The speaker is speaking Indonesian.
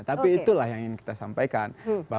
tapi itulah yang ingin kita sampaikan